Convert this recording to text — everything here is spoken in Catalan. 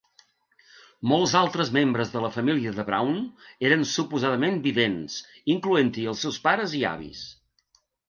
Molts altres membres de la família de Brown eren suposadament vidents, incloent-hi els seus pares i avis.